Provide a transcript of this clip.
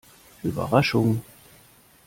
Überraschung!